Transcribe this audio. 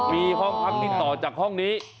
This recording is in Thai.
มีห้องพักที่ต่อจากห้องนี้